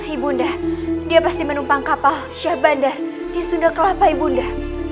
ibu unda dia pasti menumpang kapal syah bandar di sunda kelapa ibu unda